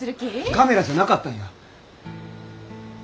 カメラじゃなかったんや。